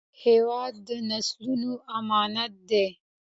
هېواد د نسلونو امانت دی.